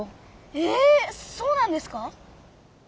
えそうなんですか？